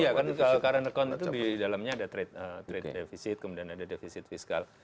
iya karena karena karakter itu di dalamnya ada trade defisit kemudian ada defisit fiskal